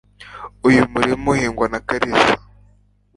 uyu murima uhingwa na karisa